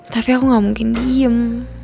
tapi aku gak mungkin diem